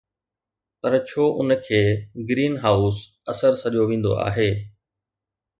پر ڇو ان کي گرين هائوس اثر سڏيو ويندو آهي؟